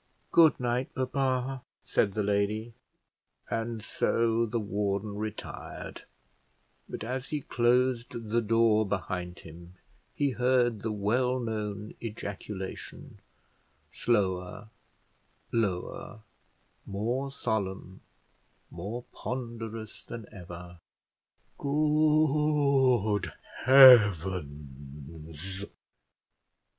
"Good night, papa," said the lady. And so the warden retired; but, as he closed the door behind him, he heard the well known ejaculation, slower, lower, more solemn, more ponderous than ever, "Good heavens!"